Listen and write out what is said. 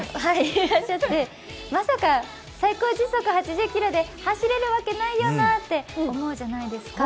まさか最高時速８０キロで走れるわけないよなって思うじゃないですか。